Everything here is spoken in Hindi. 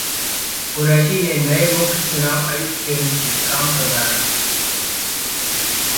कुरैशी ने नये मुख्य चुनाव आयुक्त के रूप में काम संभाला